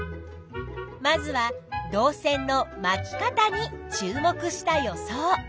まずは導線の「まき方」に注目した予想。